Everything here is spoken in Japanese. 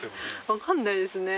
分かんないですね。